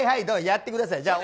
やってください。